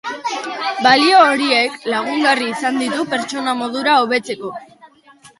Balio horiek lagungarri izan ditu pertsona modura hobetzeko.